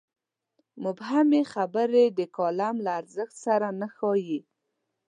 مبهمې خبرې د کالم له ارزښت سره نه ښايي.